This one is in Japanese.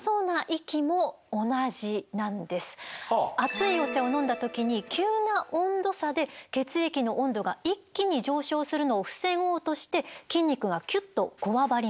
熱いお茶を飲んだ時に急な温度差で血液の温度が一気に上昇するのを防ごうとして筋肉がキュッとこわばります。